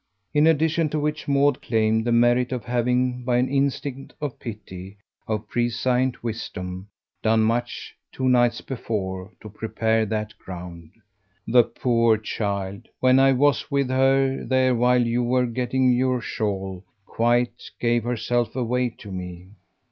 In addition to which Maud claimed the merit of having by an instinct of pity, of prescient wisdom, done much, two nights before, to prepare that ground. "The poor child, when I was with her there while you were getting your shawl, quite gave herself away to me."